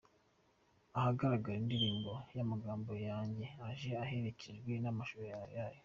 ahagaragara indirimbo amagambo yanjye ije iherekejwe namashusho yayo.